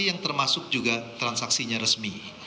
yang termasuk juga transaksinya resmi